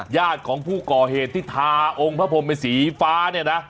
ญาติของผู้ก่อเหตุที่ทาองค์พระพรมเป็นสีฟ้าเนี่ยนะ